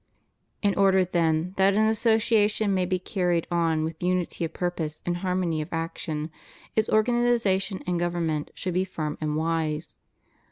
In order, then, that an association may be carried on with unity of purpose and harmony of action, its organiza tion and government should be firm and wise.